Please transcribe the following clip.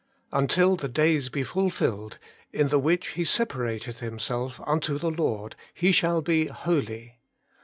Until the days be fulfilled, in the which he separateth him self unto the Lord, he shall be holy.